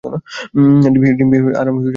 ডিম্পি আর আমি সরাসরি চলে আসবো।